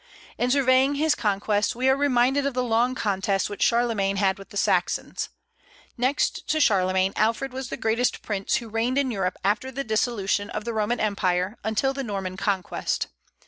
In surveying his conquests we are reminded of the long contest which Charlemagne had with the Saxons. Next to Charlemagne, Alfred was the greatest prince who reigned in Europe after the dissolution of the Roman Empire, until the Norman Conquest.